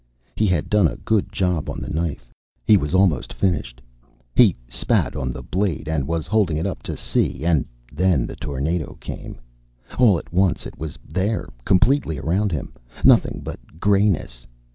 He had done a good job on the knife; he was almost finished. He spat on the blade and was holding it up to see and then the tornado came. All at once it was there, completely around him. Nothing but grayness.